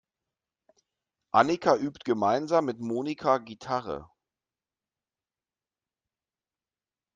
Annika übt gemeinsam mit Monika Gitarre.